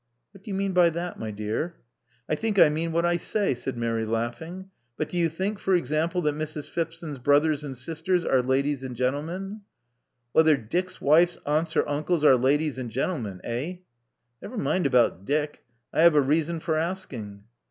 *' What do you mean by that, my dear?" I think I mean what I say," said Mary laughing. But do you think, for example, that Mrs. Phipson's brothers and sisters are ladies and gentlemen?" Whether Dick's wife's aunts or uncles are ladies and gentlemen, eh?" •'Never mind about Dick. I have a reason for asking."